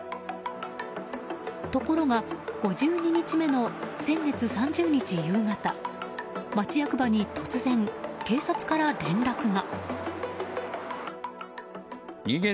ところが、５２日目の先月３０日夕方町役場に突然、警察から連絡が。